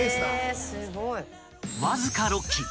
［わずか６機。